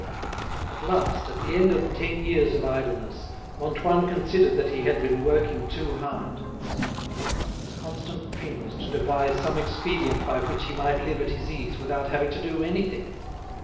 At last, at the end of ten years of idleness, Antoine considered that he had been working too hard. His constant dream was to devise some expedient by which he might live at his ease without having to do anything.